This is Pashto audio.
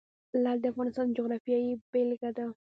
لعل د افغانستان د جغرافیې بېلګه ده.